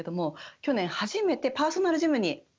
去年初めてパーソナルジムに通いました。